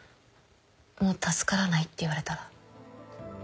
「もう助からないって言われたら」